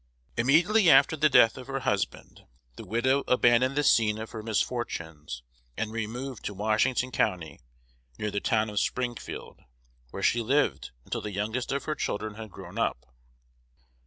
Immediately after the death of her husband, the widow abandoned the scene of her misfortunes, and removed to Washington County, near the town of Springfield, where she lived until the youngest of her children had grown up.